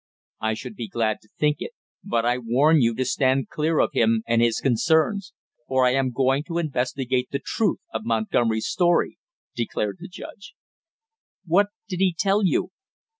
"I should be glad to think it, but I warn you to stand clear of him and his concerns, for I am going to investigate the truth of Montgomery's story," declared the judge. "What did he tell you?"